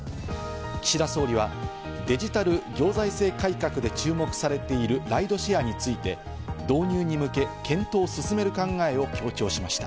岸田総理は、デジタル行財政改革で注目されているライドシェアについて、導入に向け、検討を進める考えを強調しました。